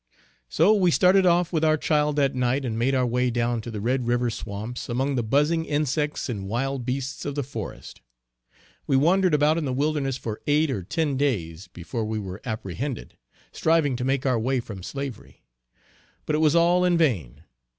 So we started off with our child that night, and made our way down to the Red river swamps among the buzzing insects and wild beasts of the forest. We wandered about in the wilderness for eight or ten days before we were apprehended, striving to make our way from slavery; but it was all in vain.